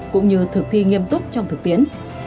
cũng như thực thi nghiêm túc trong thực tiến